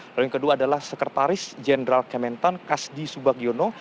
lalu yang kedua adalah sekretaris jenderal kementan kasdi subagiono